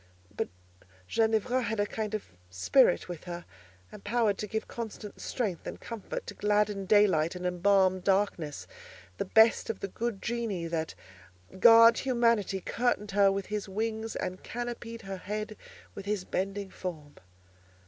But Ginevra had a kind of spirit with her, empowered to give constant strength and comfort, to gladden daylight and embalm darkness; the best of the good genii that guard humanity curtained her with his wings, and canopied her head with his bending form.